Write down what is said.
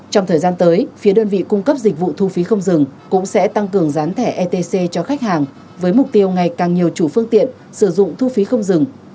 trong thời gian tới phía đơn vị cung cấp dịch vụ thu phí không dừng cũng sẽ tăng cường gián thẻ etc cho khách hàng với mục tiêu ngày càng nhiều chủ phương tiện sử dụng thu phí không dừng